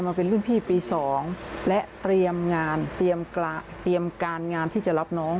มาเป็นรุ่นพี่ปี๒และเตรียมงานเตรียมการงานที่จะรับน้อง